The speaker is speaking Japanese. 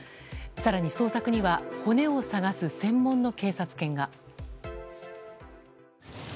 更に、捜索には骨を捜す専門の警察犬が。